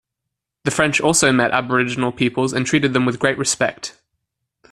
The French also met Aboriginal peoples and treated them with great respect.